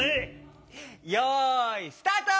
よいスタート！